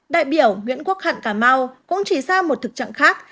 đại biểu nguyễn quốc hận cà mau cũng chỉ ra một thực trạng khác